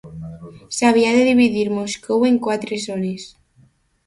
S'havia de dividir Moscou en quatre zones.